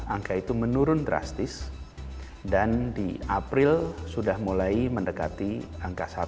angka itu menurun drastis dan di april sudah mulai mendekati angka satu